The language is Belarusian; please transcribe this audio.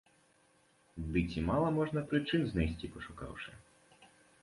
Ды ці мала можна прычын знайсці, пашукаўшы.